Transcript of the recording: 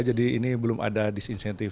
jadi ini belum ada disinsentif